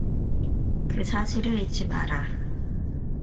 그 사실을 잊지 마라.